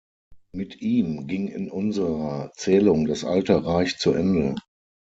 Mit ihm ging in unserer Zählung das Alte Reich zu Ende.